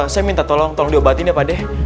saya minta tolong diobatin ya pade